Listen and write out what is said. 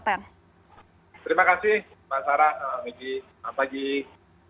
terima kasih pak